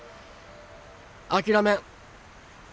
諦めん。